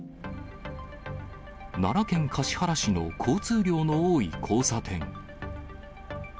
奈良県橿原市の交通量の多い交差点。